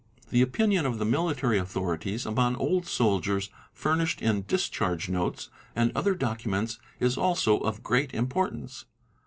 The opinion of the military authorities upon old soldiers furnished in~ discharge notes and other documents is also of great importance.